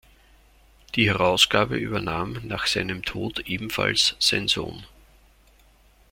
Die Herausgabe übernahm nach seinem Tod ebenfalls sein Sohn.